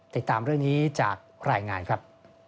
ติดตามเรื่องนี้จากรายงานครับ